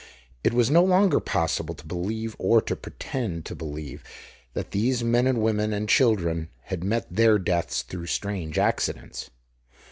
It was no longer possible to believe or to pretend to believe that these men and women and children had met their deaths through strange accidents.